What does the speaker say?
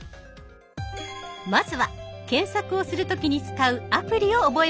まずは検索をする時に使うアプリを覚えましょう。